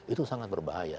itu sangat berbahaya